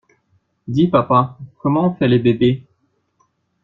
Dis papa, comment on fait les bébés?